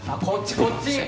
こっちこっち！